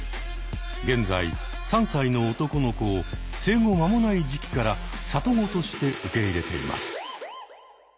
現在３歳の男の子を生後間もない時期から里子として受け入れています。